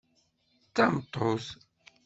D tameṭṭut.